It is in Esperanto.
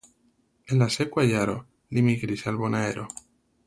En la sekva jaro li migris al Bonaero.